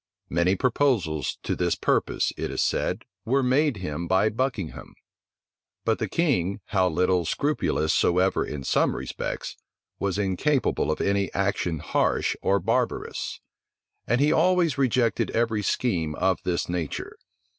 Many proposals to this purpose, it is said, were made him by Buckingham; but the king, how little scrupulous soever in some respects, was incapable of any action harsh or barbarous; and he always rejected every scheme of this nature.